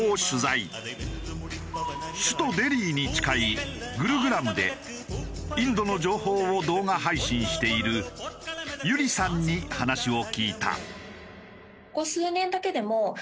首都デリーに近いグルグラムでインドの情報を動画配信しているＹＵＲＩさんに話を聞いた。